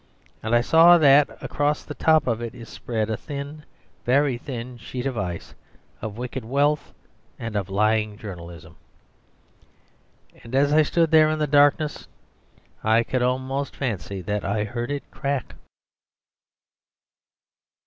And I saw that across the top of it is spread a thin, a very thin, sheet of ice, of wicked wealth and of lying journalism. And as I stood there in the darkness I could almost fancy that I heard it crack.